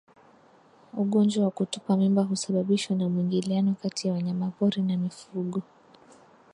Ugonjwa wa kutupa mimba husababishwa na mwingiliano kati ya wanyamapori na mifugo